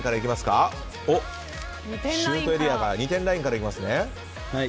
シュートエリア２点ラインからいきますね。